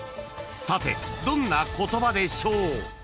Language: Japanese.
さてどんな言葉でしょう？］